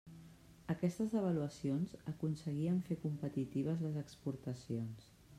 Aquestes devaluacions aconseguien fer competitives les exportacions.